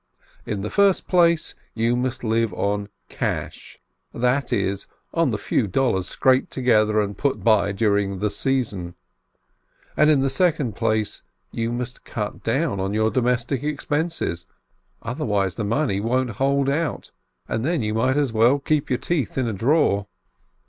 In the first place, you must live on "cash," that is, on the few dollars scraped together and put by during the "season," and in the second place, you must cut down your domestic expenses, otherwise the money won't hold out, and then you might as well keep your teeth in a drawer.